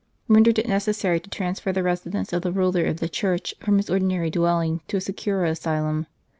rendered it necessary to transfer the residence of the Ruler of the Church, from his ordinary dwelling, to a securer asylum.